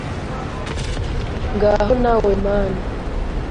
Ngaho nawe Mana